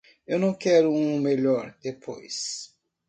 Eu não quero um melhor depois.